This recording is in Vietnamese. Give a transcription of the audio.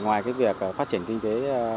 ngoài cái việc phát triển kinh tế